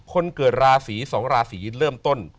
คนเกิดลาศรีสองลาศรีเริ่มต้น